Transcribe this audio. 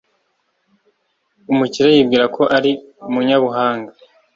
Umukire yibwira ko ari umunyabuhanga